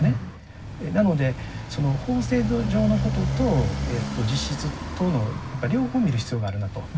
なので法制度上のことと実質とのやっぱ両方を見る必要があるなと。